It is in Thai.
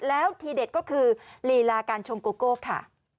แล้วทีเด็ดก็คือลีลาการชมโกโก้ค่ะ